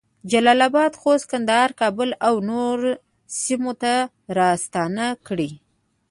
جلال اباد، خوست، کندهار، کابل اونورو سیمو ته راستنه کړې